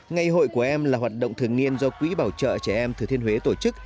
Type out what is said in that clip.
ngày hội của em là hoạt động thường niên do quỹ bảo trợ trẻ em thừa thiên huế tổ chức